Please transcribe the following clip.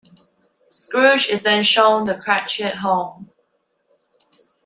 Scrooge is then shown the Cratchit home.